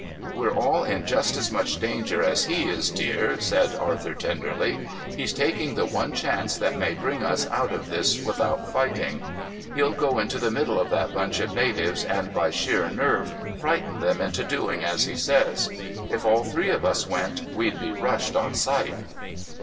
"We're all in just as much danger as he is, dear," said Arthur tenderly. "He's taking the one chance that may bring us out of this without fighting. He'll go into the middle of that bunch of natives and by sheer nerve frighten them into doing as he says. If all three of us went, we'd be rushed on sight."